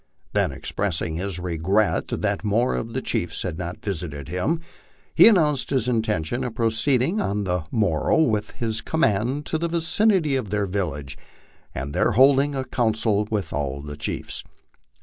Then expressing his regret that more of the chiefs had not visited him, he announced his intention of proceeding on the morrow with his command to the vicinity of their village and there holding a council with all of the chiefs.